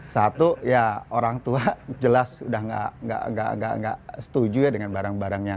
satu orang tua jelas sudah tidak setuju dengan barang barangnya